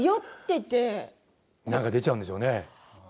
なんか出ちゃうんでしょうね。